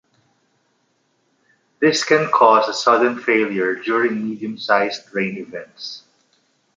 This can cause a sudden failure during medium-sized rain events.